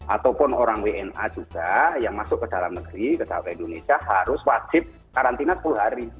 ataupun orang wna juga yang masuk ke dalam negeri ke indonesia harus wajib karantina sepuluh hari